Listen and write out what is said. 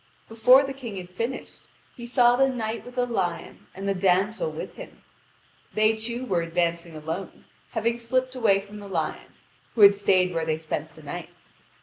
Before the King had finished, he saw the Knight with the Lion and the damsel with him. They two were advancing alone, having slipped away from the lion, who had stayed where they spent the night.